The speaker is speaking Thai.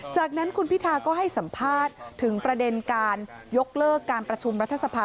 จากนั้นคุณพิธาก็ให้สัมภาษณ์ถึงประเด็นการยกเลิกการประชุมรัฐสภา